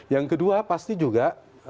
yang kedua pasti juga